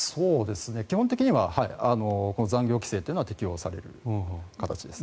基本的には残業規制というのは適用される形です。